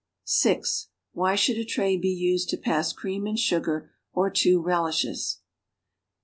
(6) W^hy should a tray be used to pass cream and sugar or two relishes?